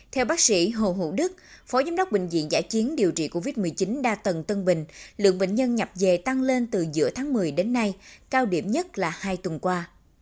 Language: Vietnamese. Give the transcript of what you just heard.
theo bác sĩ hồ hữu đức phó giám đốc bệnh viện giải chiến điều trị covid một mươi chín đa tầng tân bình lượng bệnh nhân nhập về tăng lên từ giữa tháng một mươi đến nay cao điểm nhất là hai tuần qua